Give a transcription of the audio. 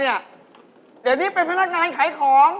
เดี๋ยวนี้เป็นพนักงานขายของ